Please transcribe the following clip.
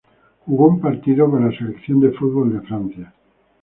Jugó un partido con la selección de fútbol de Francia.